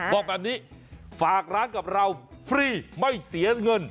บอกแบบนี้ฝากร้านกับเราฟรีไม่เสียเงิน